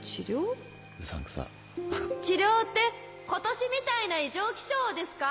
治療って今年みたいな異常気象をですか？